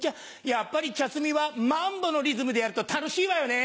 やっぱり茶摘みはマンボのリズムでやると楽しいわよね。